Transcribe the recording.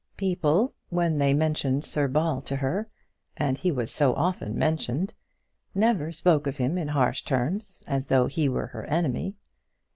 People, when they mentioned Sir John Ball to her and he was often so mentioned never spoke of him in harsh terms, as though he were her enemy.